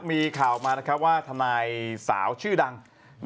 มีข่าวออกมาว่าธนายสาวชื่อดัง